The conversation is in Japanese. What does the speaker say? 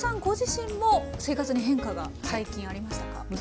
ご自身も生活に変化が最近ありましたか？